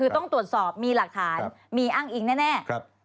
คือต้องตรวจสอบมีหลักฐานมีอ้างอิงแน่